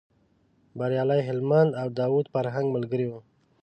بریالی هلمند او داود فرهنګ ملګري و.